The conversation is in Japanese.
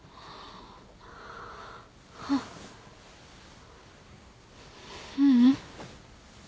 あっううん。